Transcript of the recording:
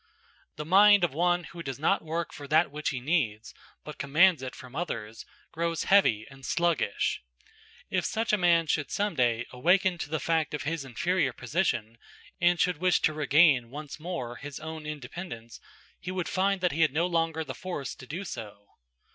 The mind of one who does not work for that which he needs, but commands it from others, grows heavy and sluggish. If such a man should some day awaken to the fact of his inferior position and should wish to re gain once more his own independence, he would find that he had no longer the force to do so.